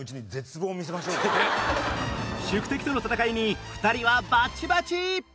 宿敵との戦いに２人はバッチバチ！